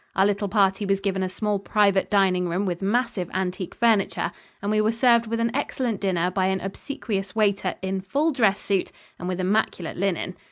Our little party was given a small private dining room with massive antique furniture, and we were served with an excellent dinner by an obsequious waiter in full dress suit and with immaculate linen.